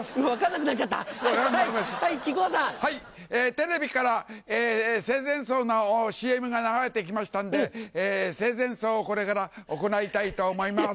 テレビから生前葬のＣＭが流れてきましたんで生前葬をこれから行いたいと思います。